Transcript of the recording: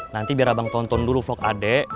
nanti biar abang tonton dulu vlog adek